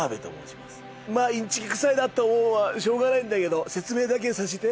まぁインチキくさいなと思うのはしょうがないんだけど説明だけはさせて。